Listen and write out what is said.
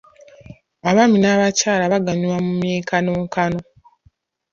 Abaami n'abakyala bonna buganyulwa mu mwenkanonkano.